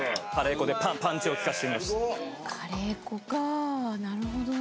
カレー粉かなるほど。